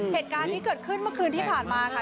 เหตุการณ์นี้เกิดขึ้นเมื่อคืนที่ผ่านมาค่ะ